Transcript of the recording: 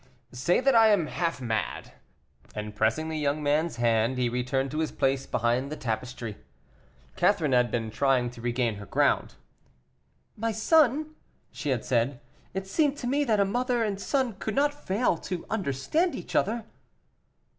"Say that I am half mad." And pressing the young man's hand, he returned to his place behind the tapes try. Catherine had been trying to regain her ground. "My son," she had said, "it seemed to me that a mother and son could not fail to understand each other."